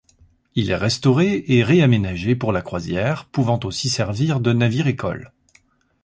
Il est restauré et réaménagé pour la croisière, pouvant aussi servir de navire école.